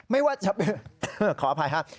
ไม่ว่าจะเป็นขออภัยครับ